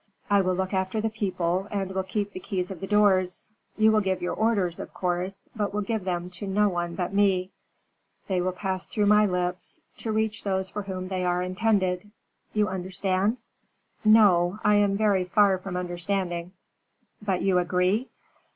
I will look after the people, and will keep the keys of the doors. You will give your orders, of course: but will give them to no one but me. They will pass through my lips, to reach those for whom they are intended you understand?" "No, I am very far from understanding." "But you agree?"